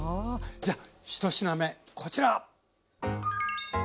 じゃあ１品目こちら！